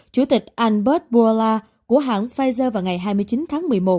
chủ tịch albert bola của hãng pfizer vào ngày hai mươi chín tháng một mươi một